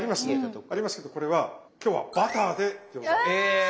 ありますけどこれは今日はバターで餃子を焼きます。